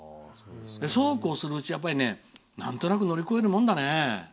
そうこうするうちになんとなく乗り越えるものだね。